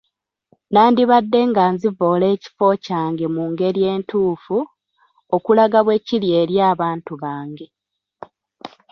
Nandibadde nga nzivoola ekifo kyange mu ngeri ntuufu, okulaga bwe kiri eri abantu bange.